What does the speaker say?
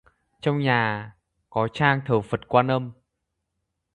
Trong nhà có trang thờ Phật Quan Âm